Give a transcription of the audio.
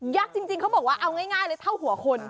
จริงเขาบอกว่าเอาง่ายเลยเท่าหัวคน